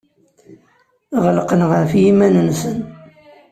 Ɣelqen ɣef yiman-nsen.